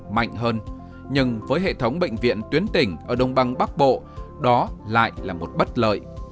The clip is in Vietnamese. mạnh hơn nhưng với hệ thống bệnh viện tuyến tỉnh ở đông băng bắc bộ đó lại là một bất lợi